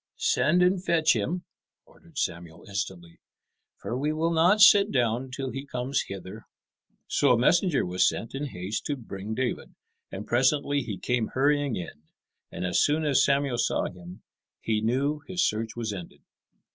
"Send and fetch him," ordered Samuel instantly, "for we will not sit down till he comes hither." So a messenger was sent in haste to bring David; and presently he came hurrying in, and as soon as Samuel saw him he knew his search was ended.